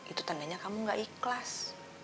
itu tandanya kamu gak ikhlas